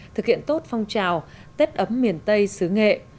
thực hiện tốt phong trào tết ấm miền tây xứ nghệ